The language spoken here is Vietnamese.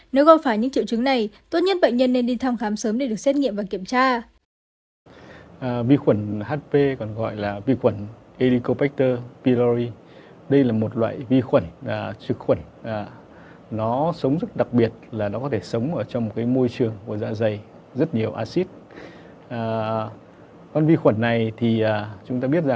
nếu gọi phải những triệu chứng này tốt nhất bệnh nhân nên đi thăm khám sớm để được xét nghiệm và kiểm tra